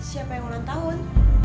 siapa yang ulang tahun